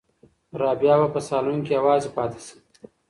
رابعه به په صالون کې یوازې پاتې شي.